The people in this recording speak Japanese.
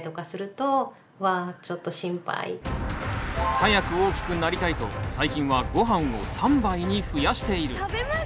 早く大きくなりたいと最近はごはんを３杯に増やしている。